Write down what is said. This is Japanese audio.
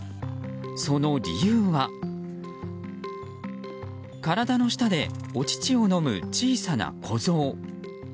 その理由は、体の下でお乳を飲む小さな子ゾウ。